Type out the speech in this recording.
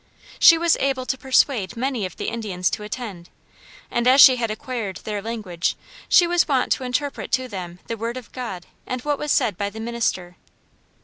She was able to persuade many of the Indians to attend, and as she had acquired their language she was wont to interpret to them the word of God and what was said by the minister.